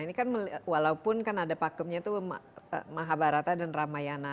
ini kan walaupun kan ada pakemnya itu mahabharata dan ramayana